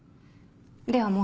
ではもう